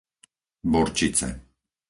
Borčice